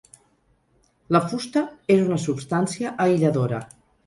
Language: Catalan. La fusta és una substància aïlladora.